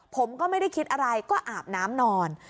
ผมก็ไม่ได้คิดอะไรก็อาบน้ำนอน